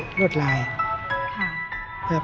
โครงสร้างรวดลาย